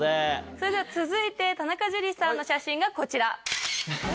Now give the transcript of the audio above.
それでは続いて田中樹さんの写真がこちら。